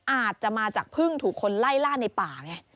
อาจจะมาจากพึ่งถูกคนไล่ล่าในป่าไง